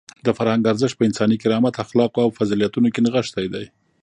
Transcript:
د فرهنګ ارزښت په انساني کرامت، اخلاقو او فضیلتونو کې نغښتی دی.